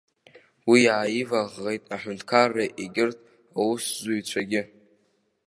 Уи иааиваӷӷеит аҳәынҭқарра егьырҭ аусзуҩцәагьы.